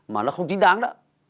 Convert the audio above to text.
mà nó không chính đáng đó